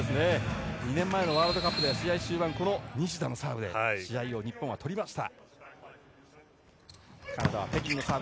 ２年前のワールドカップでは試合終盤、西田のサーブで試合を日本はとりました。